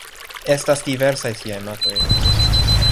Estas diversaj tiaj mapoj.